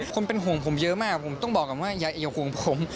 คนเป็นห่วงผมเยอะมากผมต้องบอกก่อนว่าอย่าห่วงผม